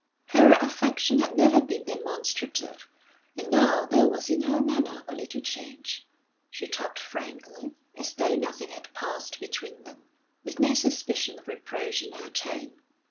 Her affection had never been demonstrative, and now there was in her manner but little change. She talked frankly, as though nothing had passed between them, with no suspicion of reproach in her tone.